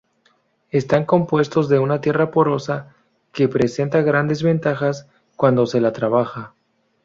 Están compuestos de una tierra porosa que presenta grandes ventajas cuando se la trabaja".